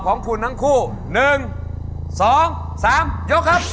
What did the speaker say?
ของคุณทั้งคู่๑๒๓ยกครับ